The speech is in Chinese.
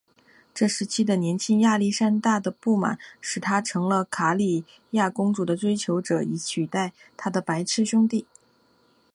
这时期的年轻亚历山大的不满使他成了卡里亚公主的追求者以取代他的白痴兄弟。